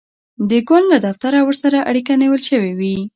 د ګوند له دفتره ورسره اړیکه نیول شوې وي.